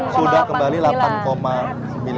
sudah kembali delapan sembilan